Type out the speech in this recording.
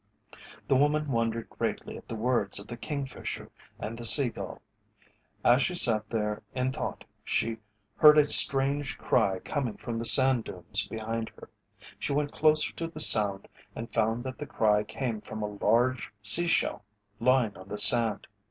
The woman wondered greatly at the words of the Kingfisher and the Sea Gull. As she sat there in thought she heard a strange cry coming from the sand dunes behind her. She went closer to the sound and found that the cry came from a large sea shell lying on the sand.